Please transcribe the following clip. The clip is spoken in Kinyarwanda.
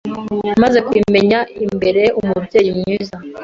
maze kuyimenya imbera umubyeyi mwiza,